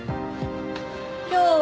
今日は。